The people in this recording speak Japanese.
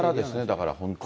だから本当に。